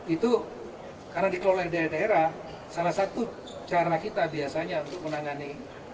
itu karena dikelola daerah daerah salah satu cara kita biasanya untuk menangani